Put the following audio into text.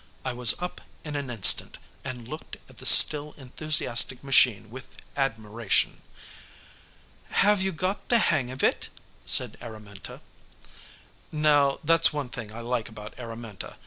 I was up in an instant, and looked at the still enthusiastic machine with admiration. "Have you got the hang of it?" said Araminta. Now that's one thing I like about Araminta.